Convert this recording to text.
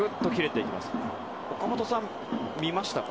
岡本さん、見ましたか？